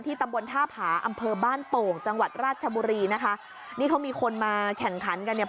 ตำบลท่าผาอำเภอบ้านโป่งจังหวัดราชบุรีนะคะนี่เขามีคนมาแข่งขันกันเนี่ย